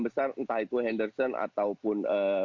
besar entah itu henderson ataupun